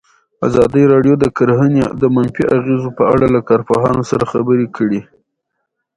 ازادي راډیو د کرهنه د منفي اغېزو په اړه له کارپوهانو سره خبرې کړي.